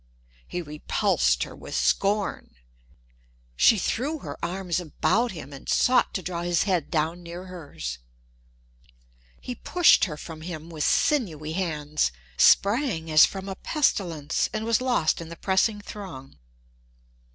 He repulsed her with scorn. She threw her arms about him and sought to draw his head down near hers. He pushed her from him with sinewy hands, sprang as from a pestilence, and was lost in the pressing throng.